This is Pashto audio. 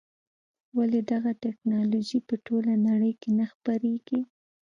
ولې دغه ټکنالوژي په ټوله نړۍ کې نه خپرېږي.